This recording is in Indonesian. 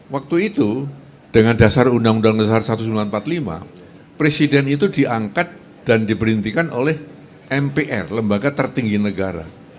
waktu itu dengan dasar undang undang dasar seribu sembilan ratus empat puluh lima presiden itu diangkat dan diberhentikan oleh mpr lembaga tertinggi negara